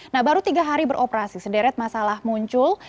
nah baru tiga hari beroperasi sederet masalah muncul